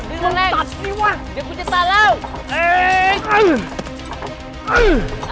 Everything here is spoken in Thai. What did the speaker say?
เออดึงเร็วเร็วตัดนี่วะเดี๋ยวกูจะตัดแล้วเอ๊ะ